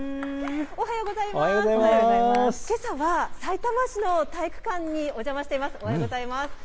おはようございます。